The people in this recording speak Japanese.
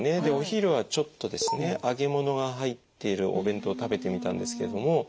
でお昼はちょっとですね揚げ物が入っているお弁当を食べてみたんですけれども。